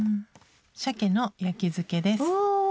「鮭の焼き漬け」です。